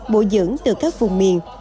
bổ dưỡng từ các vùng miền